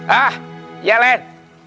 hah iya len